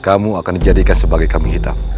akan dijadikan sebagai kami hitam